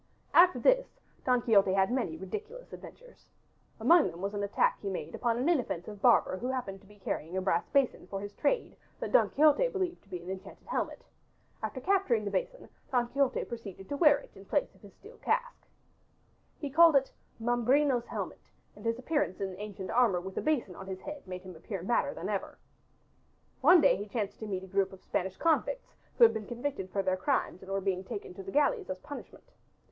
After this Don Quixote had many ridiculous adventures. Among them was an attack he made upon an inoffensive barber who happened to be carrying a brass basin for his trade that Don Quixote believed to be an enchanted helmet. After capturing the basin Don Quixote proceeded to wear it in place of his steel casque. He called it Mambrino's Helmet, and his appearance in ancient armor with a basin on his head made him appear madder than ever. One day he chanced to meet a group of Spanish convicts who had been convicted for their crimes and were being taken to the galleys as a punishment.